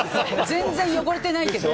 全然汚れてないけど。